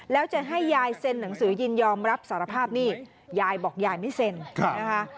แล้วจะให้ยายเซ็นหนังสือยินยอมรับสารภาพนี่ยายบอกยายไม่เซ็นนะคะ